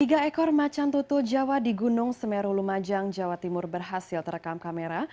tiga ekor macan tutul jawa di gunung semeru lumajang jawa timur berhasil terekam kamera